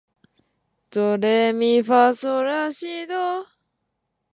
ドレミファソラシド